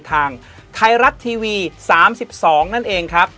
ไทรัตทีวี๓๒นั่นเองครับ